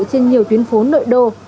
trên nhiều tuyến phố nội đô